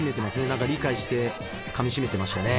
何か理解してかみしめてましたね。